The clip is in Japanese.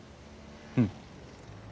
うん。